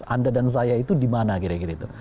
anda dan saya itu di mana kira kira itu